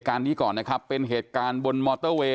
การนี้ก่อนนะครับเป็นเหตุการณ์บนมอเตอร์เวย